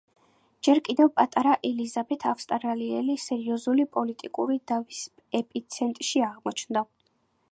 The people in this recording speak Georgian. ჯერ კიდევ პატარა ელიზაბეთ ავსტრიელი სერიოზული პოლიტიკური დავის ეპიცენტრში აღმოჩნდა.